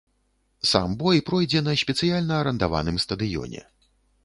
Сам бой пройдзе на спецыяльна арандаваным стадыёне.